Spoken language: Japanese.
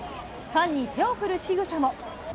ファンに手を振るしぐさも。